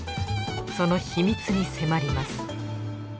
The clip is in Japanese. その秘密に迫ります